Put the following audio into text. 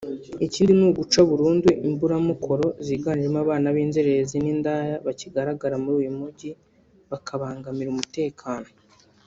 Ikindi ni uguca burundu imburamukoro ziganjemo abana binzererezi n’indaya bakigaragara muri uyu mujyi bakabangamira umutekano